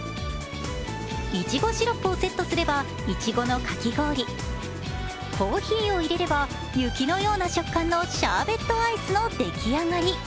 いちごシロップをセットすればいちごのかき氷、コーヒーを入れれば、雪のような食感のシャーベットアイスの出来上がり。